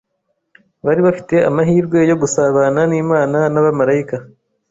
Bari bafite amahirwe yo gusabana n’Imana n’abamarayika